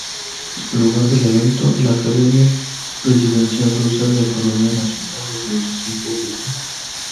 Lugar del evento: La Academia Presidencial Rusa de economía nacional y administración pública.